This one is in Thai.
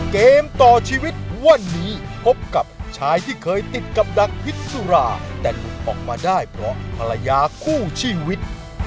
เกมต่อชีวิตวันนี้พบกับชายที่เคยติดกับดักพิษสุราแต่หลุดออกมาได้เพราะภรรยาคู่ชีวิต